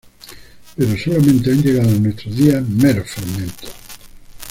Pero solamente han llegado a nuestros días meros fragmentos.